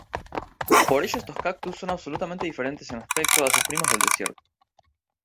Por ello estos cactus son absolutamente diferentes en aspecto a sus primos del desierto.